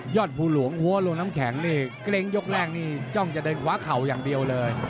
ภูหลวงหัวลงน้ำแข็งนี่เกรงยกแรกนี่จ้องจะเดินขวาเข่าอย่างเดียวเลย